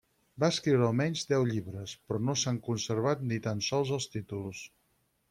Va escriure almenys deu llibres però no s'han conservat ni tan sols els títols.